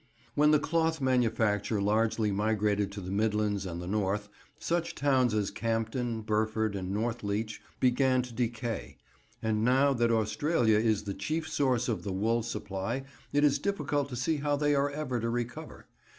When the cloth manufacture largely migrated to the Midlands and the north, such towns as Campden, Burford, and Northleach began to decay, and now that Australia is the chief source of the wool supply it is difficult to see how they are ever to recover.